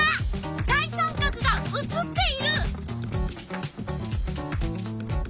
大三角が写っている！